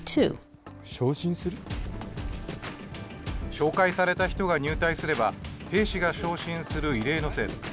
紹介された人が入隊すれば、兵士が昇進する異例の制度。